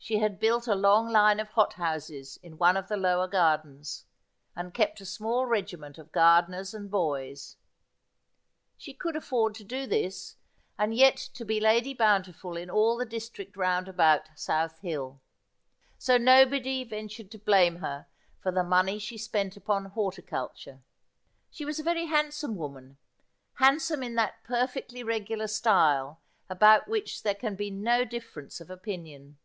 She had built a long line of hot houses in one of the lower gardens, and kept a small regiment of gardeners and boys. She could afford to do this, and yet to be Lady Bountiful in all the district round about South Hill ; so nobody ventured to blame her for the money she spent upon hei^iculture. She was a very handsome woman — handsome in that per fectly regular style about which there can be no difference of opinion.